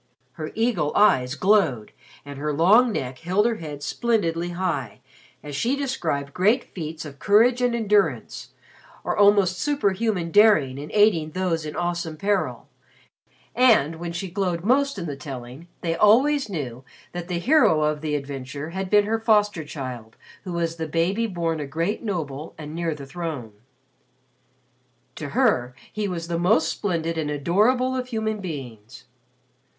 Her eagle eyes glowed and her long neck held her head splendidly high as she described great feats of courage and endurance or almost superhuman daring in aiding those in awesome peril, and, when she glowed most in the telling, they always knew that the hero of the adventure had been her foster child who was the baby born a great noble and near the throne. To her, he was the most splendid and adorable of human beings.